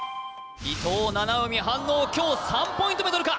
伊藤七海反応今日３ポイント目とるか？